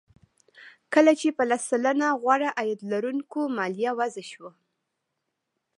کله چې په لس سلنه غوره عاید لرونکو مالیه وضع شوه